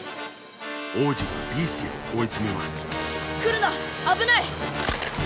王子がビーすけをおいつめますくるなあぶない！